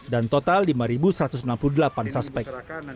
dan total lima satu ratus enam puluh delapan suspek